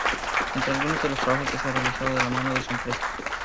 Entre algunos de los trabajos que ha realizado de la mano de su empresa.